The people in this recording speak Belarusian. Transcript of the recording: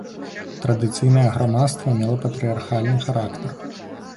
Традыцыйнае грамадства мела патрыярхальны характар.